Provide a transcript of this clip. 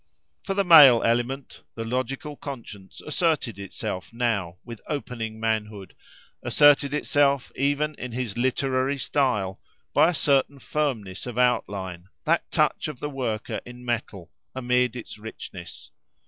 For the male element, the logical conscience asserted itself now, with opening manhood—asserted itself, even in his literary style, by a certain firmness of outline, that touch of the worker in metal, amid its richness.